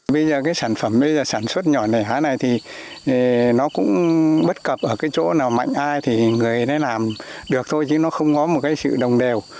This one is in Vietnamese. bây giờ cái sản phẩm sản xuất nhỏ lẻ hả này thì nó cũng bất cập ở cái chỗ nào mạnh ai thì người ấy làm được thôi chứ nó không có một cái sự đồng đều